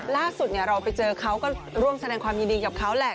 ล่าสุดเราไปเจอเขาก็ร่วมแสดงความยินดีกับเขาแหละ